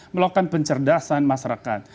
melakukan pencerdasan masyarakat